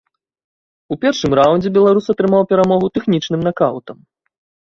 У першым раўндзе беларус атрымаў перамогу тэхнічным накаўтам.